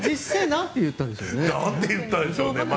なんて言ったんでしょう。